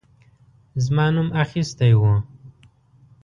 زما نوم اخیستی وو.